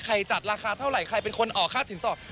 จัดราคาเท่าไหร่ใครเป็นคนออกค่าสินสอด